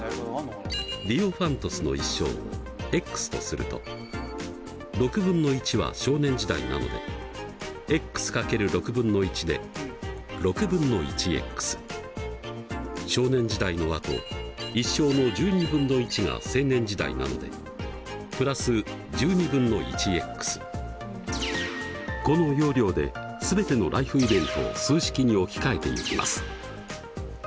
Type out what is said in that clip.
ディオファントスの一生をとすると６分の１は少年時代なので少年時代のあと一生の１２分の１が青年時代なのでこの要領で全てのライフイベントを数式に置き換えていきます。